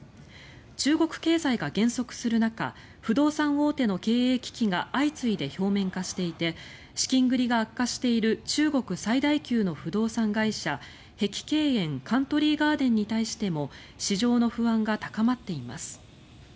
中国経済が減速する中不動産大手の経済危機が相次いで表面化していて資金繰りが悪化している中国最大級の不動産会社碧桂園＝カントリー・ガーデンに対しても市場の不安が高まっています。